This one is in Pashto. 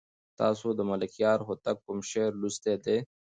تاسو د ملکیار هوتک کوم شعر لوستی دی؟